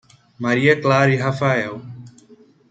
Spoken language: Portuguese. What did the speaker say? Maria Clara e Rafael